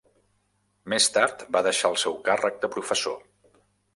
Més tard va deixar el seu càrrec de professor.